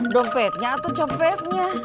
dompetnya atau copetnya